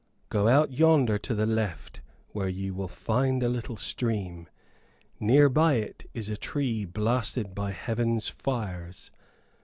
"Go out yonder to the left, where ye will find a little stream; near by it is a tree blasted by Heaven's fires.